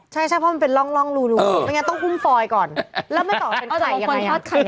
ใช่เพราะมันเป็นร่องรูต้องหุ้มฟอย์ก่อนแล้วไม่รู้เป็นไข่ยังไง